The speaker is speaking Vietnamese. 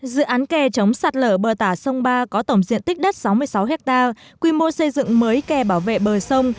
dự án kè chống sạt lở bờ tả sông ba có tổng diện tích đất sáu mươi sáu ha quy mô xây dựng mới kè bảo vệ bờ sông